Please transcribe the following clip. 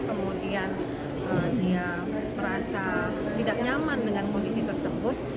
kemudian dia merasa tidak nyaman dengan kondisi tersebut